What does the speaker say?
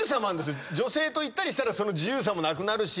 女性と行ったりしたらその自由さもなくなるし。